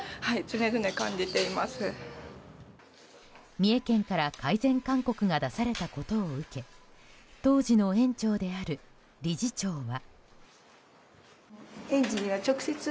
三重県から改善勧告が出されたことを受け当時の園長である理事長は。